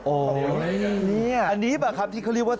โอ้โหนี่อันนี้ป่ะครับที่เขาเรียกว่า